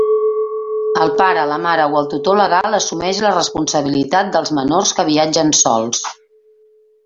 El pare, la mare o el tutor legal assumeix la responsabilitat dels menors que viatgen sols.